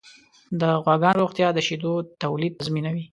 د غواګانو روغتیا د شیدو تولید تضمینوي.